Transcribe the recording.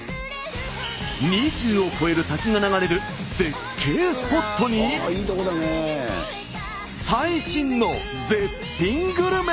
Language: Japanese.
２０を超える滝が流れる絶景スポットに最新の絶品グルメ！